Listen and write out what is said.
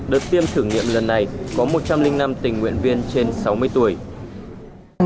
đợt tiêm thử nghiệm lần này có một trăm linh năm tình nguyện viên trên sáu mươi tuổi